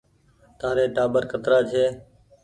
تآري ٽآٻر ڪترآ ڇي ۔